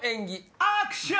・アクション！